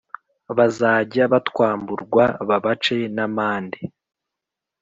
bazajya batwamburwa babace namande